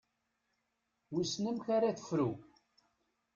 Wissen amek ara tefru.